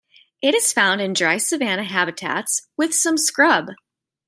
It is found in dry savannah habitats, with some scrub.